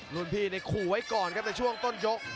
รุ่นพี่ในขู่ไว้ก่อนครับในช่วงต้นยก